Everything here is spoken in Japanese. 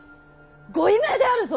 ご遺命であるぞ！